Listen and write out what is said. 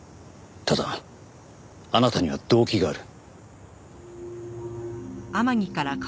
ただあなたには動機がある。